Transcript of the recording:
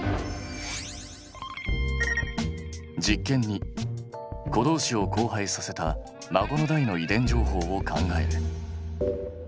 実験２子どうしを交配させた孫の代の遺伝情報を考える。